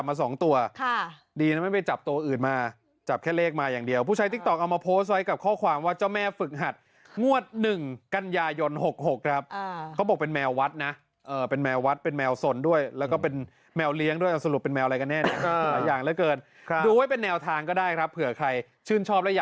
มาดูตัวนี้เคียเจ้าแม่ปังเป็นเจ้าแม่มือใหม่ในการถ่ายเลขครับ